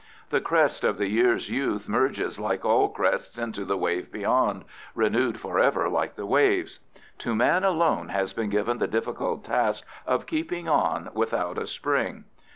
The crest of the year's youth merges like all crests into the wave beyond, renewed forever like the waves. To man alone has been given the difficult task of keeping on without a spring.